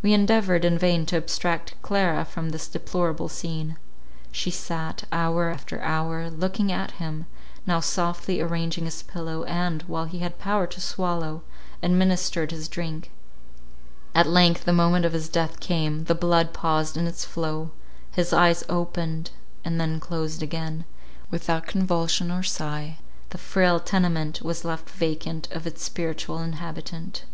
We endeavoured in vain to abstract Clara from this deplorable scene. She sat, hour after hour, looking at him, now softly arranging his pillow, and, while he had power to swallow, administered his drink. At length the moment of his death came: the blood paused in its flow —his eyes opened, and then closed again: without convulsion or sigh, the frail tenement was left vacant of its spiritual inhabitant.